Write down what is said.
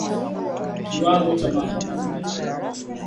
Kiwango cha maambukizi katika kundi la mifugo